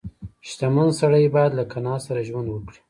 • شتمن سړی باید له قناعت سره ژوند وکړي.